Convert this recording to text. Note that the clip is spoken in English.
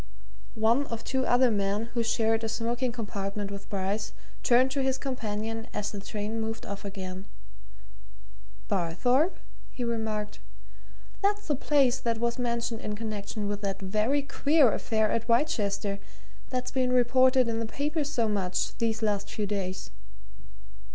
One of two other men who shared a smoking compartment with Bryce turned to his companion as the train moved off again. "Barthorpe?" he remarked. "That's the place that was mentioned in connection with that very queer affair at Wrychester, that's been reported in the papers so much these last few days.